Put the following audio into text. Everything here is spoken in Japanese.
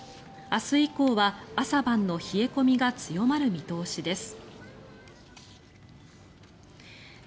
明日以降は朝晩の冷え込みが強まる見通しです。